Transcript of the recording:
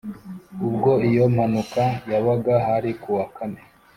Ubwo iyo mpanuka yabaga hari kuwa kane